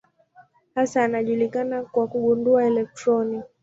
Hasa anajulikana kwa kugundua elektroni.